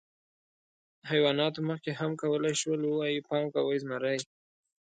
حیواناتو مخکې هم کولی شول، ووایي: «پام کوئ، زمری!».